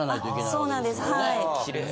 そうなんですはい。